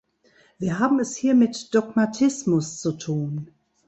Wir haben es hier mit Dogmatismus zu tun.